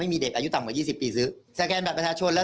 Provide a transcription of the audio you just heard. มีเด็กอายุต่ำกว่า๒๐ปีซื้อสแกนบัตรประชาชนแล้ว